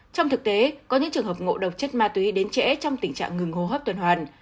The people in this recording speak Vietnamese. trong thực tế có những trường hợp ngộ độc chất ma túy đến trễ trong tình trạng ngừng hô hấp tuần hoàn